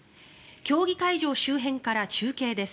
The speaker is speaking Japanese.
競技会場周辺から中継です。